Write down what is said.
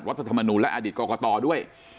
วัตถธรรมนุนและอดีตงอด้วย